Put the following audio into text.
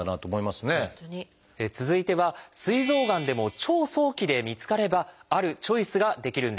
続いてはすい臓がんでも超早期で見つかればあるチョイスができるんです。